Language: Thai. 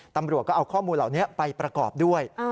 ตำรวจก็เอาข้อมูลเหล่านี้ไปประกอบด้วย